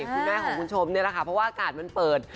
คุณแม่ของคุณชมนี่แหละค่ะเพราะว่าอากาศมันเปิด